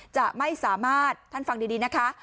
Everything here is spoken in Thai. จะไม่สามารถท่านฟังดีนะคะ